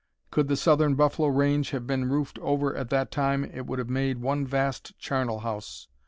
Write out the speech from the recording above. Could the southern buffalo range have been roofed over at that time it would have made one vast charnel house.